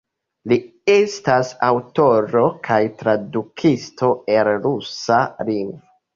Li estas aŭtoro kaj tradukisto el rusa lingvo.